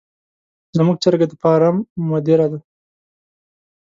زموږ چرګه د فارم مدیره ده.